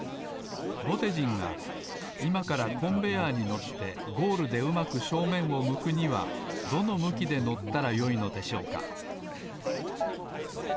ぼてじんがいまからコンベヤーに乗ってゴールでうまく正面を向くにはどの向きで乗ったらよいのでしょうか？